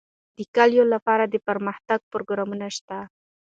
د کلیو لپاره دپرمختیا پروګرامونه شته دي.